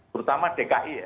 terutama dki ya